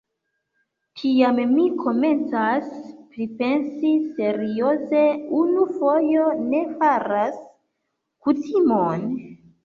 Tiam, mi komencas pripensi serioze: unu fojo ne faras kutimon.